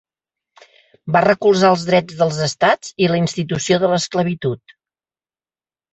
Va recolzar els drets dels estats i la institució de l'esclavitud.